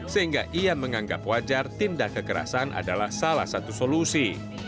sehingga ia menganggap wajar tindak kekerasan adalah salah satu solusi